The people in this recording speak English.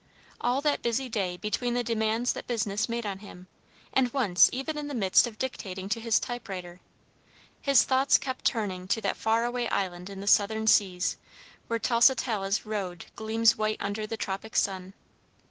All that busy day between the demands that business made on him, and once even in the midst of dictating to his typewriter, his thoughts kept turning to that far away island in the Southern seas, where Tusitala's road gleams white under the tropic sun.